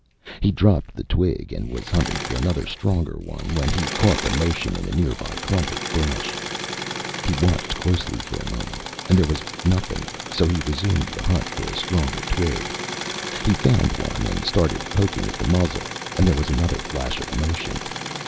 He dropped the twig and was hunting for another stronger one when he caught the motion in a nearby clump of brush. He watched closely for a moment and there was nothing, so he resumed the hunt for a stronger twig. He found one and started poking at the muzzle and there was another flash of motion.